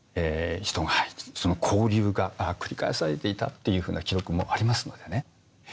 人が入ってその交流が繰り返されていたというふうな記録もありますのでね